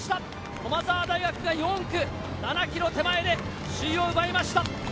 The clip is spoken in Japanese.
駒澤大学が４区７ｋｍ手前で首位を奪いました。